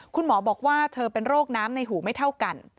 คุณหมอบอกว่าเธอเป็นโรคน้ำในหูไม่เท่ากัน